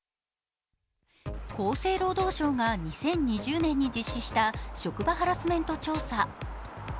厚生労働省が２０２０年に実施した職場ハラスメント調査。